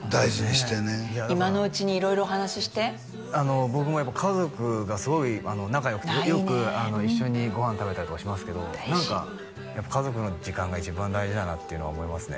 今のうちに色々お話しして僕もやっぱ家族がすごい仲良くてよく一緒にご飯食べたりとかしますけど大事何かやっぱ家族の時間が一番大事だなっていうのは思いますね